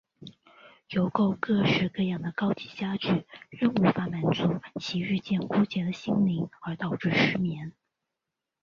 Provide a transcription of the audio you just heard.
邮购各式各样的高级家具仍无法满足其日渐枯竭的心灵而导致失眠。